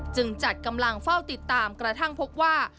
จัดกำลังเฝ้าติดตามกระทั่งพบว่า